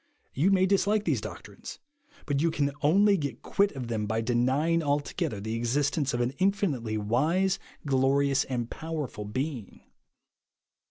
You may dislike these doctrines, but you can only get quit of them by denying altogether the existence of an infinitely wise, glorious, and powerful Being.